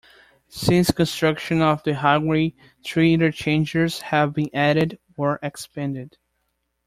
Since construction of the highway, three interchanges have been added or expanded.